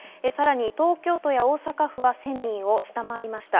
東京都や大阪府は１０００人を下回りました。